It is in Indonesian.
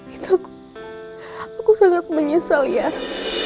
itu aku sangat menyesal yes